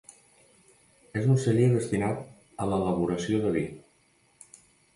És un celler destinat a l'elaboració de vi.